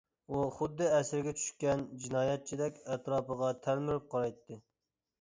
ئۇ خۇددى ئەسىرگە چۈشكەن جىنايەتچىدەك ئەتراپىغا تەلمۈرۈپ قارايتتى.